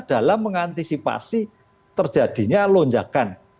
dalam mengantisipasi terjadinya lonjakan